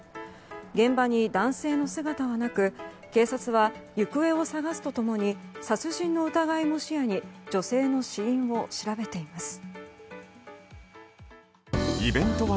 現場に男性の姿はなく警察は行方を捜すと共に殺人の疑いも視野に女性の死因を調べています。